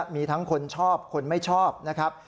มีทั้งคนชอบคนไม่ชอบนะครับ